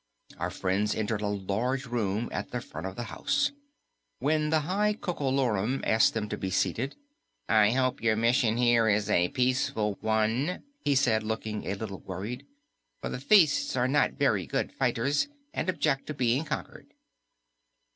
Our friends entered a large room at the front of the house, where the High Coco Lorum asked them to be seated. "I hope your mission here is a peaceful one," he said, looking a little worried, "for the Thists are not very good fighters and object to being conquered."